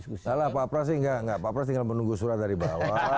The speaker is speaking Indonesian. salah pak pras sih nggak pak pras tinggal menunggu surat dari bawah